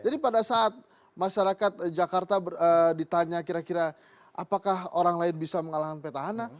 pada saat masyarakat jakarta ditanya kira kira apakah orang lain bisa mengalahkan petahana